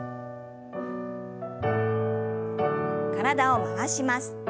体を回します。